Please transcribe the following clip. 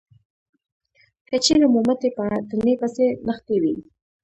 که چېرې مو مټې په تنې پسې نښتې وي